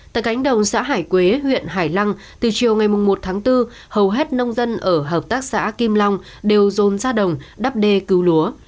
tại cánh đồng xã hải quế huyện hải lăng từ chiều ngày một tháng bốn hầu hết nông dân ở hợp tác xã kim long đều rôn ra đồng đắp đê cứu lúa